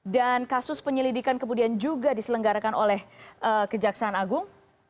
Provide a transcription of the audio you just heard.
dan kasus penyelidikan juga diselenggarakan oleh kejaksaan agung